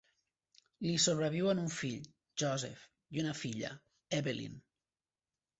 Li sobreviuen un fill, Joseph, i una filla, Evelyn.